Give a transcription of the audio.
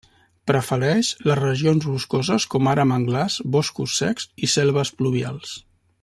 Prefereix les regions boscoses com ara manglars, boscos secs i selves pluvials.